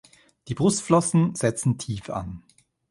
Die Brustflossen setzen tief an.